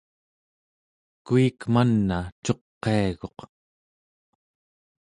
kuik man'a cuqiaguq